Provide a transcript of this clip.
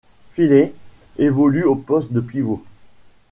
Feeley évolue au poste de pivot.